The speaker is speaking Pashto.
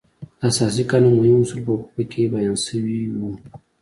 د اساسي قانون مهم اصول په کې بیان شوي وو.